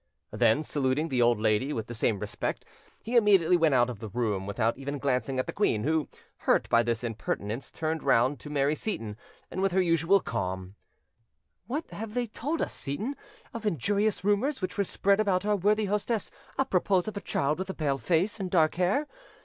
Then, saluting the old lady with the same respect, he immediately went out of the room, without even glancing at the queen, who, hurt by this impertinence, turned round to Mary Seyton, and, with her usual calm— "What have they told us, Seyton, of injurious rumours which were spread about our worthy hostess apropos of a child with a pale face and dark hair?